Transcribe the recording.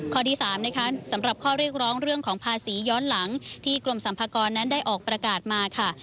ข้อที่๓นะคะสำหรับข้อเรียกร้องเรื่องของภาษีย้อนหลังที่กรมสัมภากรนั้นได้ออกประกาศมาค่ะ